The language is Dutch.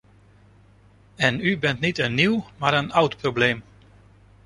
En u bent niet een nieuw, maar een oud probleem.